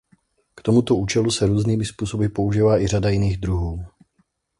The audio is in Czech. K tomuto účelu se různými způsoby používá i řada jiných druhů.